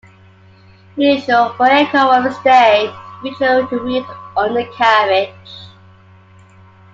Unusual for aircraft of its day, it featured a wheeled undercarriage.